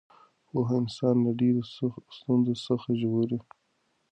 پوهه انسان له ډېرو ستونزو څخه ژغوري.